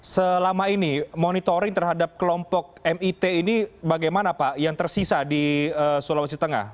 selama ini monitoring terhadap kelompok mit ini bagaimana pak yang tersisa di sulawesi tengah